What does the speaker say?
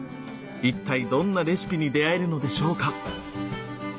一体どんなレシピに出会えるのでしょうか？